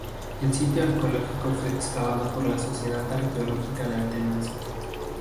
El sitio arqueológico fue excavado por la Sociedad Arqueológica de Atenas.